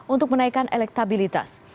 untuk menaikkan elektabilitas